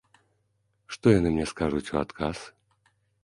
Што яны мне скажуць у адказ?